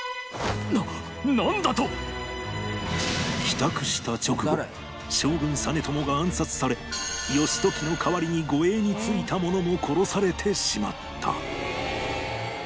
帰宅した直後将軍実朝が暗殺され義時の代わりに護衛についた者も殺されてしまった